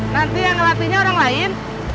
nanti yang ngelatihnya orang lain